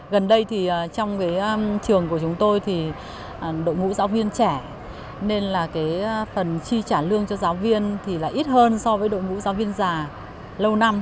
gần đây thì trong cái trường của chúng tôi thì đội ngũ giáo viên trẻ nên là cái phần chi trả lương cho giáo viên thì là ít hơn so với đội ngũ giáo viên già lâu năm